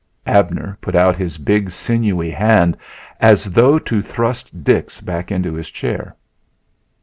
Abner put out his big sinewy hand as though to thrust Dix back into his chair.